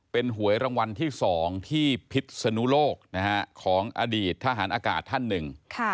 เป็นหวยรางวัลที่๒ที่พิษนุโลกของอดีตทหารอากาศท่านหนึ่ง